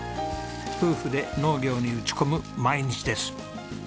夫婦で農業に打ち込む毎日です。